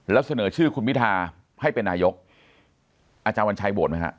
แล้วเสนอชื่อคุณพิทาให้เป็นนายกอาจารย์วันชัยโหวตไหมฮะ